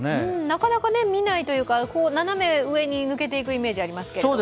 なかなか見ないというか、斜め上に抜けていくイメージがありますけれども。